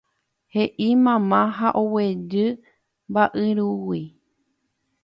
He'i mama ha oguejy mba'yrúgui.